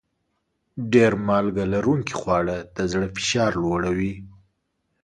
ډېر مالګه لرونکي خواړه د زړه فشار لوړوي.